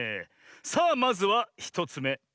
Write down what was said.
さあまずは１つめ。